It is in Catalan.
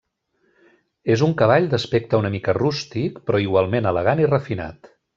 És un cavall d'aspecte una mica rústic, però igualment elegant i refinat.